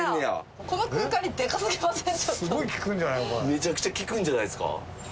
めちゃくちゃ効くんじゃないですか？